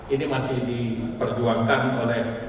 ini masih diperjuangkan oleh